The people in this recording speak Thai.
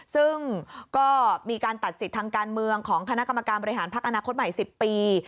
ซึ่งก็มีการตัดสิทธิ์ทางการเมืองของคณะกรรมการบริหารพักอนาคตใหม่๑๐ปี